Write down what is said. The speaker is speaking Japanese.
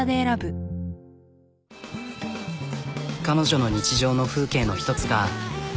彼女の日常の風景の一つが。